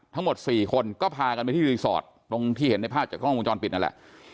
ทั้งหมด๔คนก็พากันไปที่รีสอร์ทตรงที่เห็นในภาพจากกล้องวงจรปิดนั่นแหละ